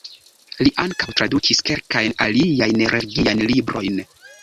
Li ankaŭ tradukis kelkajn aliajn religiajn librojn.